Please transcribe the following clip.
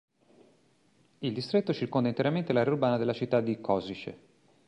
Il distretto circonda interamente l'area urbana della città di Košice.